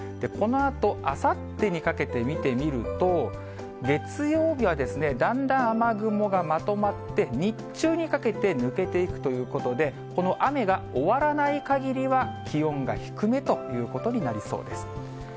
このあと、あさってにかけて見てみると、月曜日はだんだん雨雲がまとまって、日中にかけて抜けていくということで、この雨が終わらないかぎりは、気温が低めということになりそうです。